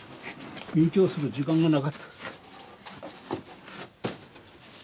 勉強する時間がなかった。